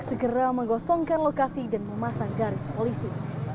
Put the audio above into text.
segera menggosongkan lokasi dan memasang garis polisi